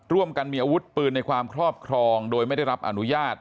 ร่วมกันมีอาวุธปืนในความครอบครองโดยไม่ได้รับอนุญาต